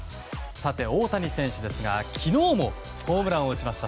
さて、大谷選手ですが昨日もホームランを打ちました。